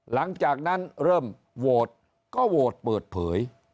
หลังจากนั้นเริ่มโหวตก็โหวตเปิดเผย